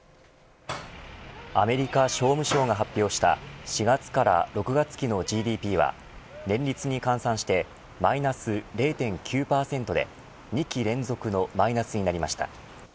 アメリカ商務省が発表した４月から６月期のＧＤＰは年率に換算してマイナス０．９％で２期連続のマイナスになりました。